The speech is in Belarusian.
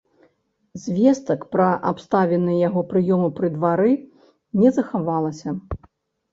Звестак пра абставіны яго прыёму пры двары не захавалася.